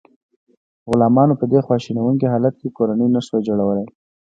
غلامانو په دې خواشینونکي حالت کې کورنۍ نشوای جوړولی.